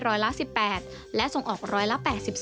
ร้อยละ๑๘และส่งออกร้อยละ๘๒